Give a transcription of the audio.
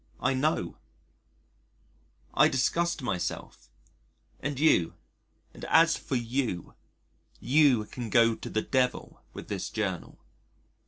I know. I disgust myself and you, and as for you, you can go to the Devil with this Journal.